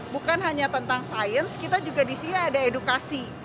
bukan hanya tentang sains kita juga di sini ada edukasi